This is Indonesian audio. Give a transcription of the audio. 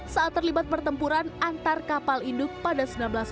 saat terlibat pertempuran antar kapal hidup pada seribu sembilan ratus empat puluh dua